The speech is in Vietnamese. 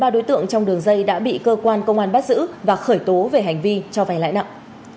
một mươi ba đối tượng trong đường dây đã bị cơ quan công an bắt giữ và khởi tố về hành vi cho vay lãnh nặng